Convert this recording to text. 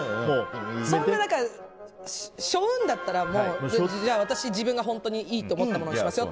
そんな背負うんだったら自分が本当にいいと思ったものにしますよ。